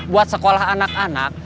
buat sekolah anak anak